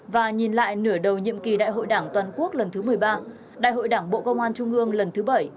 và nhìn lại nửa đầu nhiệm kỳ đại hội đảng toàn quốc lần thứ một mươi ba đại hội đảng bộ công an trung ương lần thứ bảy